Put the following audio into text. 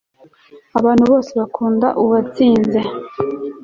abantu bose bakunda uwatsinze